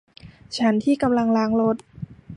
ฉันที่กำลังล้างรถ